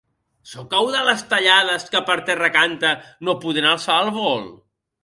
Soc au d'ales tallades que per terra canta no podent alçar el vol?